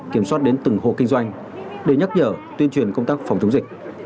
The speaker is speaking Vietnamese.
kiểm soát đến từng hộ kinh doanh để nhắc nhở tuyên truyền công tác phòng chống dịch